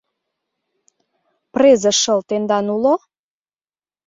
— Презе шыл тендан уло?